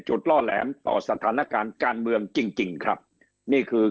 ล่อแหลมต่อสถานการณ์การเมืองจริงจริงครับนี่คือ